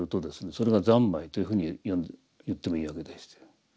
それが三昧というふうに言ってもいいわけでして。